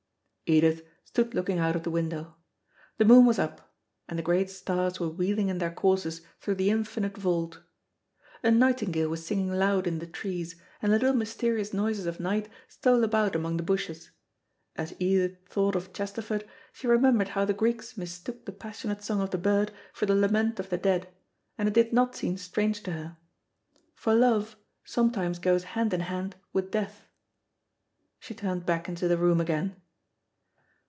Edith stood looking out of the window. The moon was up, and the great stars were wheeling in their courses through the infinite vault. A nightingale was singing loud in the trees, and the little mysterious noises of night stole about among the bushes. As Edith thought of Chesterford she remembered how the Greeks mistook the passionate song of the bird for the lament of the dead, and it did not seem strange to her. For love, sometimes goes hand in hand with death. She turned back into the room again.